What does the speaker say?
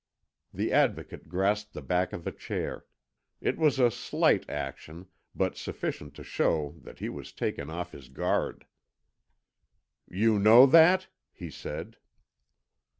The Advocate grasped the back of a chair; it was a slight action, but sufficient to show that he was taken off his guard. "You know that?" he said.